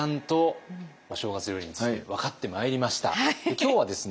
今日はですね